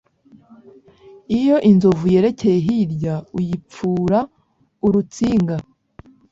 iyo inzovu yerekeye hirya uyipfura urutsinga